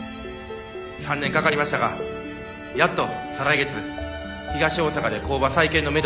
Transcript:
３年かかりましたがやっと再来月東大阪で工場再建のめどが立ちました。